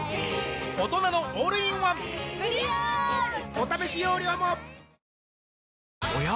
お試し容量もおや？